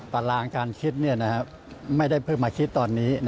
ตารางการคิดไม่ได้เพิ่งมาคิดตอนนี้